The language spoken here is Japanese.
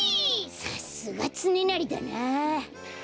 さっすがつねなりだなあ。